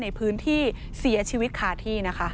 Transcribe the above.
ในพื้นที่เสียชีวิตคาที่นะคะ